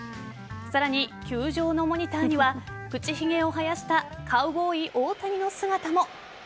さらに球場のモニターには口ひげを生やしたカウボーイ・大谷の姿も。